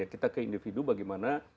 kita ke individu bagaimana